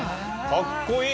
かっこいい！